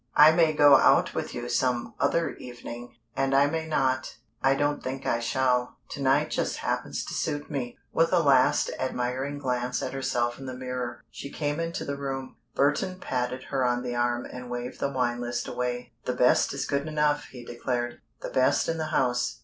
I may go out with you some other evening, and I may not. I don't think I shall. To night just happens to suit me." With a last admiring glance at herself in the mirror, she came into the room. Burton patted her on the arm and waved the wine list away. "The best is good enough," he declared, "the best in the house.